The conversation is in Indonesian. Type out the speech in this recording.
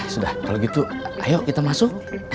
sudah kalau gitu ayo kita masuk